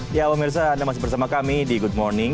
ya pemirsa anda masih bersama kami di good morning